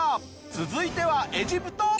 続いてはエジプト。